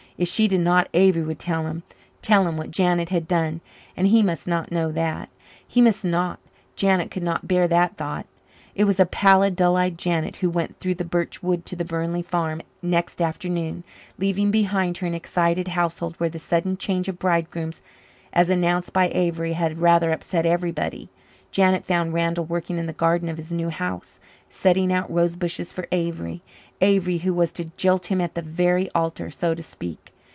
If she did not, Avery would tell him tell him what Janet had done. And he must not know that he must not. Janet could not bear that thought. It was a pallid, dull eyed Janet who went through the birch wood to the Burnley farm next afternoon, leaving behind her an excited household where the sudden change of bridegrooms, as announced by Avery, had rather upset everybody. Janet found Randall working in the garden of his new house setting out rosebushes for Avery Avery, who was to jilt him at the very altar, so to speak.